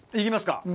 いきますか！